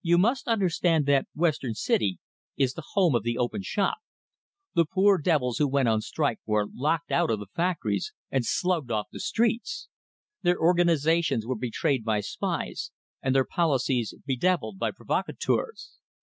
You must understand that Western City is the home of the "open shop;" the poor devils who went on strike were locked out of the factories, and slugged off the streets; their organizations were betrayed by spies, and their policies dedeviled by provocateurs.